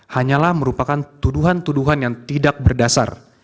hanyalah merupakan tuduhan tuduhan yang tidak berdasar